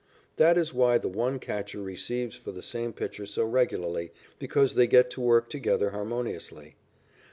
That is why the one catcher receives for the same pitcher so regularly, because they get to work together harmoniously.